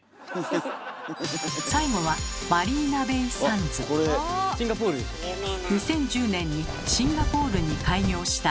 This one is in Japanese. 最後は２０１０年にシンガポールに開業したリゾート施設。